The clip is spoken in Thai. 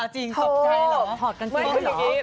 จริงศัพท์ใจเหรอถอดกางเกงเหรอบ๊วยโอ้โฮ